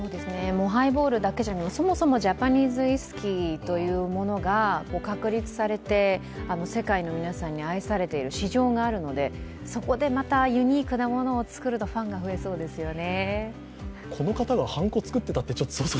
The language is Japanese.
ハイボールだけじゃないそもそもジャパニーズウイスキーというものが確立されて、世界の皆さんに愛されている市場があるので、そこでまた、ユニークなものを造るとまたファンが増えますよね。